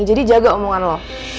jadi jaga omongan lo